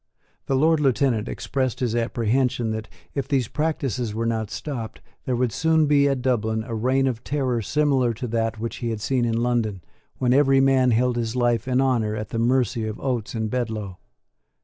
The Lord Lieutenant expressed his apprehension that, if these practices were not stopped, there would soon be at Dublin a reign of terror similar to that which he had seen in London, when every man held his life and honour at the mercy of Oates and Bedloe.